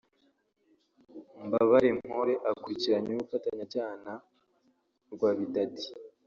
Mbabarempore akurikiranyweho ubufatanyacyaha na Rwabidadi